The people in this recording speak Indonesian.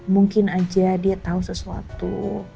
mungkin aja dia tahu sesuatu